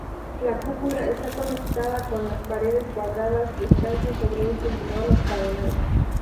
La cúpula está conectada con las paredes cuadradas descansa sobre un cinturón octagonal.